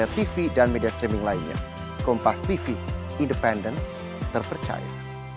tv dan media streaming lainnya kompas tv independen terpercaya